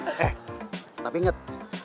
eh tapi inget